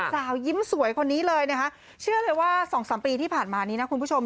สาวยิ้มสวยคนนี้เลยนะคะเชื่อเลยว่า๒๓ปีที่ผ่านมานี้นะคุณผู้ชม